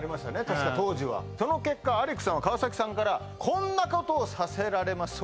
確か当時はその結果アレクさんは川崎さんからこんなことをさせられます